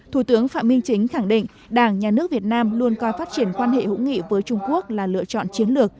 thủ tướng phạm minh chính khẳng định đảng nhà nước việt nam luôn coi phát triển quan hệ hữu nghị với trung quốc là lựa chọn chiến lược